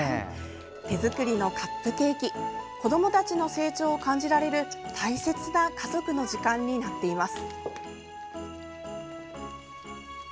手作りのカップケーキ子どもたちの成長を感じられる大切な家族の時間になっています。